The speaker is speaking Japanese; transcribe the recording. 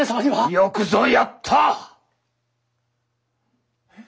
よくぞやった！えっ？